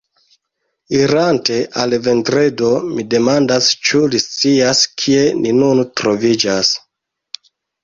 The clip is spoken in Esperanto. Irante al Vendredo, mi demandas, ĉu li scias, kie ni nun troviĝas.